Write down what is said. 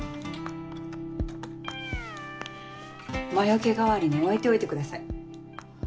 魔よけ代わりに置いておいてください。